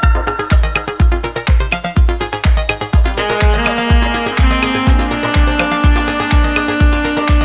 kok aku perlu pergi gitu sih